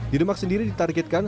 di demak sendiri ditargetkan